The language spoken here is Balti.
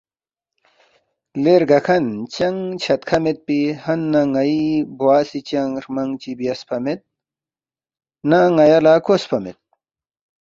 ”لے رگاکھن چنگ چھدکھہ میدپی ہنہ ن٘ئی بوا سی چنگ ہرمنگ چی بیاسفا مید، نہ ن٘یا لہ کوسفا مید